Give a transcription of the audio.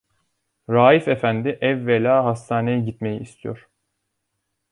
Raif efendi evvela hastaneye gitmeyi istiyor.